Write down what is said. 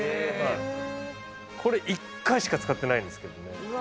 これ１回しか使ってないんですけどね。